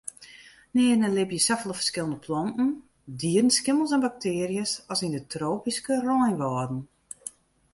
Nearne libje safolle ferskillende planten, dieren, skimmels en baktearjes as yn de tropyske reinwâlden.